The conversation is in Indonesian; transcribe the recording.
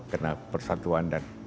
karena persatuan dan